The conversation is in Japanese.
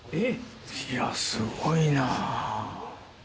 いやすごいな。